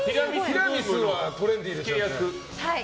ティラミスはトレンディーでしょ。